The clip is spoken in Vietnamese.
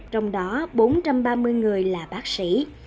trong đó bốn trăm ba mươi người là bác sĩ